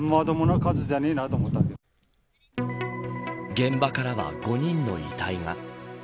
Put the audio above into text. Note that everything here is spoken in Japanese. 現場からは５人の遺体が。